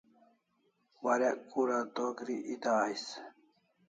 Warek kura to gri eta ais